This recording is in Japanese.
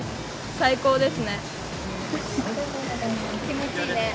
最高ですね。